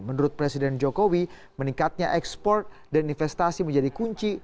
menurut presiden jokowi meningkatnya ekspor dan investasi menjadi kunci